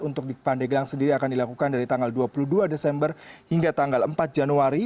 untuk di pandeglang sendiri akan dilakukan dari tanggal dua puluh dua desember hingga tanggal empat januari